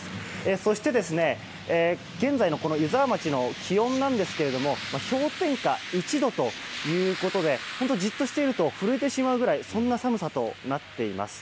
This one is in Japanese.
そして、現在の湯沢町の気温なんですが氷点下１度ということでじっとしていると震えてしまうぐらいそんな寒さとなっています。